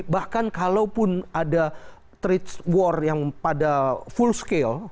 bahkan kalaupun ada trich war yang pada full scale